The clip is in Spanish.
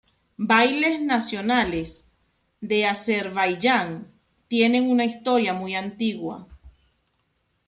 Bailes nacionales de Azerbaiyán tienen una historia muy antigua.